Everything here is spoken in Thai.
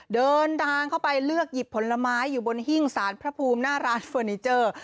เดินทางเข้าไปเลือกหยิบผลไม้อยู่บนหิ้งสารพระภูมิหน้าร้านเฟอร์นิเจอร์